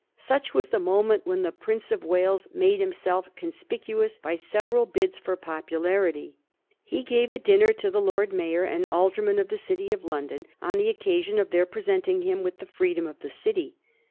Such was the moment when the Prince of Wales made himself conspicuous by several bids for popularity. He gave a dinner to the Lord Mayor and aldermen of the City of London on the occa sion of their presenting him with the freedom of the city.